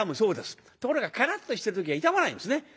ところがカラッとしてる時は痛まないんですね。